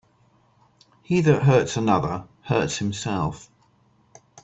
He that hurts another, hurts himself.